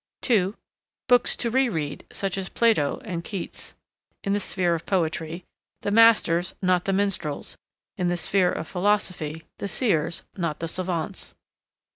2. Books to re read, such as Plato and Keats: in the sphere of poetry, the masters not the minstrels; in the sphere of philosophy, the seers not the savants.